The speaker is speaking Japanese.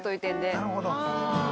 なるほど。